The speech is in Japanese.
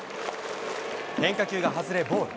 変化球が外れボール。